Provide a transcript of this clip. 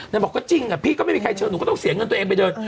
บอกก็จริงพี่ก็ไม่มีใครเชิญหนูก็ต้องเสียเงินตัวเองไปเดิน